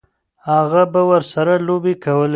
هغه به ورسره لوبې کولې.